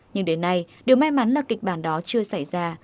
nhưng đến nay điều may mắn là kịch bản đó chưa xảy ra